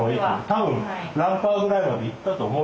多分ランカーぐらいまで行ったと思うよ。